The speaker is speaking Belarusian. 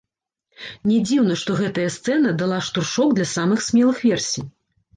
Не дзіўна, што гэтая сцэна дала штуршок для самых смелых версій.